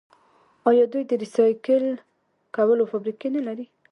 آیا دوی د ریسایکل کولو فابریکې نلري؟